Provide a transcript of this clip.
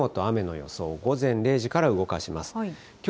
あすの雲と雨の予想、午前０時から動かします。